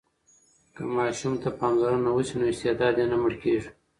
که ماشوم ته پاملرنه وسي نو استعداد یې نه مړ کېږي.